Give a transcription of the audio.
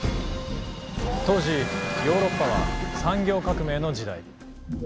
当時ヨーロッパは産業革命の時代。